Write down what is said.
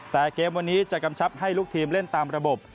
แต่เกมวันนี้จะกำชับให้ลูกทีมเล่นตามระบบ